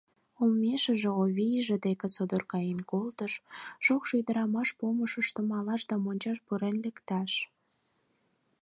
Олмешыже Овийже деке содор каен колтыш: шокшо ӱдырамаш помышышто малаш да мончаш пурен лекташ.